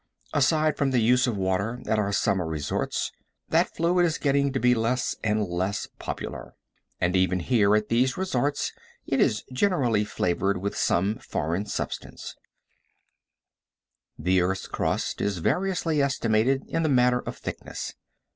Aside from the use of water at our summer resorts, that fluid is getting to be less and less popular. And even here at these resorts it is generally flavored with some foreign substance. [Illustration: THE MASTODON.] The earth's crust is variously estimated in the matter of thickness.